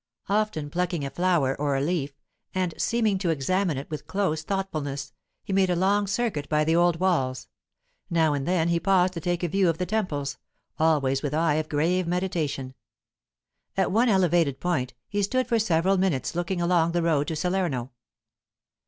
Often plucking a flower or a leaf, and seeming to examine it with close thoughtfulness, he made a long circuit by the old walls; now and then he paused to take a view of the temples, always with eye of grave meditation. At one elevated point, he stood for several minutes looking along the road to Salerno.